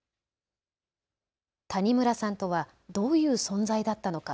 谷村さんとはどういう存在だったのか。